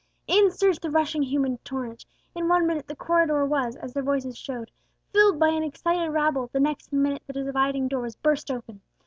In surged the rushing human torrent; in one minute the corridor was, as their voices showed, filled by an excited rabble; the next minute the dividing door was burst open!